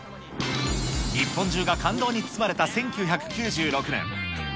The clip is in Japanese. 日本中が感動に包まれた１９９６年。